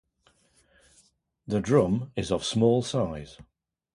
The drum is of small size.